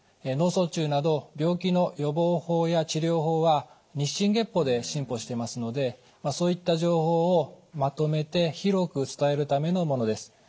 脳卒中など病気の予防法や治療法は日進月歩で進歩していますのでそういった情報をまとめて広く伝えるためのものです。